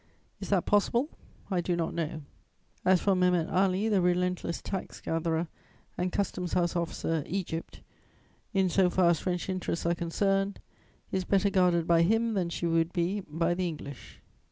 Is that possible? I do not know. As for Mehemet Ali, the relentless tax gatherer and custom house officer, Egypt, in so far as French interests are concerned, is better guarded by him than she would be by the English.